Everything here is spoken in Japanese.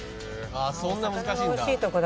そんな難しいんだ。